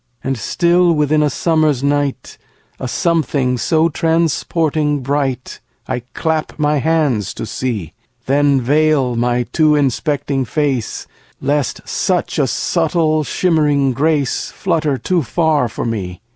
And still within a summer's night A something so transporting bright, I clap my hands to see; Then veil my too inspecting face, Lest such a subtle, shimmering grace Flutter too far for me.